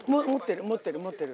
持ってる持ってる。